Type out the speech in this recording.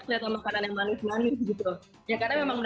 tidak terlalu banyak terlihatlah makanan yang manis manis gitu